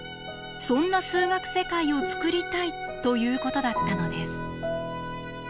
そんな数学世界を作りたいということだったのです。